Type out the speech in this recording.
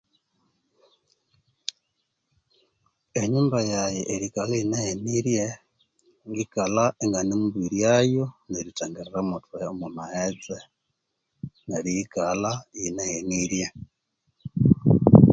Enyumba yayi erikalha eyinahenirye ngikalha inganemubiryayo neryuthangirira mwo thughe omwa maghetse neru yikalha iyinahenirye